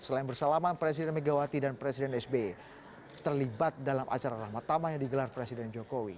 selain bersalaman presiden megawati dan presiden sbe terlibat dalam acara rahmatama yang digelar presiden jokowi